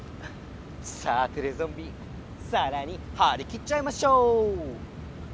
さあテレゾンビさらにはりきっちゃいましょ！